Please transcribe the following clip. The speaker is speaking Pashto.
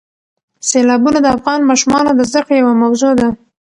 سیلابونه د افغان ماشومانو د زده کړې یوه موضوع ده.